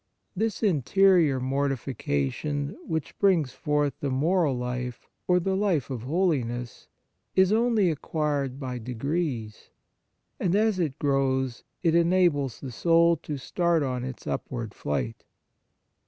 This interior mortification, which brings forth the moral life or the life of holiness, is only acquired by degrees ; and as it grows, it enables the soul to start on its upward flight.